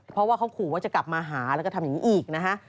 เพราะว่าเขาขู่ว่าจะกลับมาหาแล้วก็ทำอย่างนี้อีกนะฮะ